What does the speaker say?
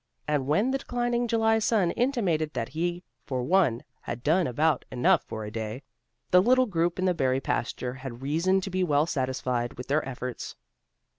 And when the declining July sun intimated that he for one had done about enough for a day, the little group in the berry pasture had reason to be well satisfied with their efforts.